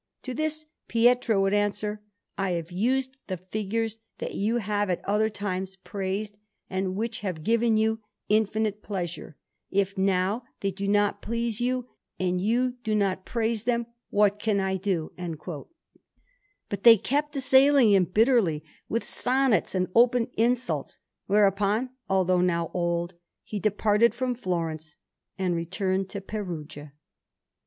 To this Pietro would answer: "I have used the figures that you have at other times praised, and which have given you infinite pleasure; if now they do not please you, and you do not praise them, what can I do?" But they kept assailing him bitterly with sonnets and open insults; whereupon, although now old, he departed from Florence and returned to Perugia.